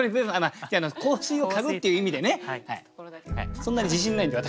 そんなに自信ないんで私。